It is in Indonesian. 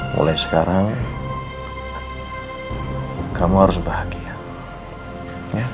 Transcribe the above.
mulai sekarang kamu harus bahagia